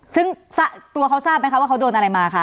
ซึ่งตัวเขาทราบไหมคะว่าเขาโดนอะไรมาคะ